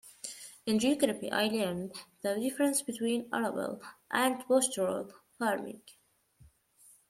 In geography, I learned the difference between arable and pastoral farming.